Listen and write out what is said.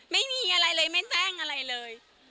ไม่มีอะไรเลยไม่แจ้งอะไรเลย